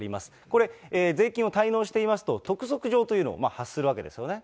これ、税金を滞納していますと、督促状というのを発するわけですよね。